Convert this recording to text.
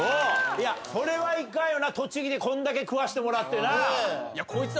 それはいかんよな栃木にこんだけ食わしてもらってな。